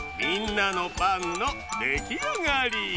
みんなのパンのできあがり！